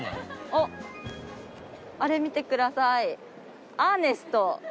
あっあれ見てください。